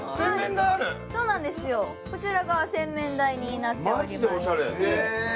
こちらが洗面台になっておりまして。